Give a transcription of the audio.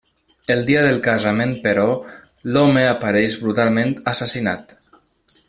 El dia del casament, però, l'home apareix brutalment assassinat.